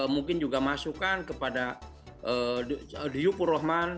mungkin juga masukkan kepada diyubur rahman